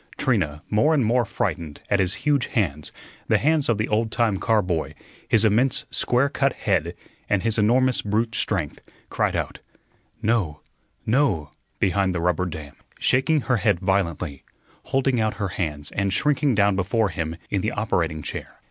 Trina, more and more frightened at his huge hands the hands of the old time car boy his immense square cut head and his enormous brute strength, cried out: "No, no," behind the rubber dam, shaking her head violently, holding out her hands, and shrinking down before him in the operating chair.